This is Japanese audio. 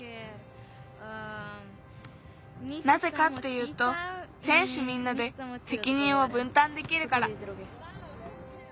なぜかっていうとせんしゅみんなでせきにんをぶんたんできるから。